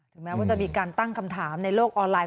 แม้ว่าจะมีการตั้งคำถามในโลกออนไลน